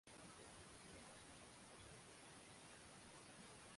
Paulo na kushauriana juu ya kupokea Wapagani katika Ukristo Agano Jipya